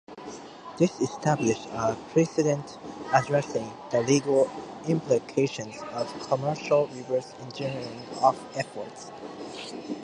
This established a precedent addressing the legal implications of commercial reverse engineering efforts.